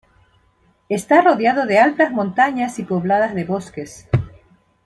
Está rodeado de altas montañas y pobladas de bosques.